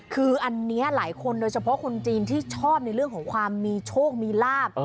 คืออันนี้หลายคนโดยเฉพาะคนจีนที่ชอบในเรื่องของความมีโชคมีลาบ